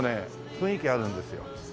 雰囲気あるんですよ。